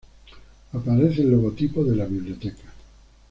Aparece el logotipo de la Biblioteca.